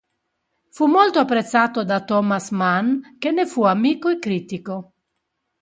Fu molto apprezzato da Thomas Mann, che ne fu amico e critico